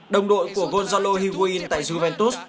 đồng đội của gonzalo higuain tại juventus